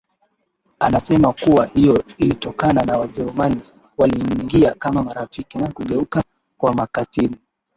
Anasema kuwa hiyo ilitokana na Wajerumani waliingia kama marafiki na kugeuka kuwa makatili